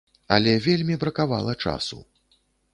Але вельмі бракавала часу!